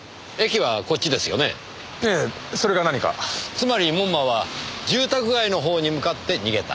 つまり門馬は住宅街の方に向かって逃げた。